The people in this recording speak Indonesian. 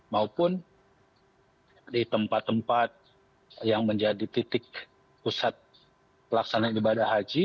maupun di tempat tempat yang menjadi titik pusat pelaksanaan ibadah haji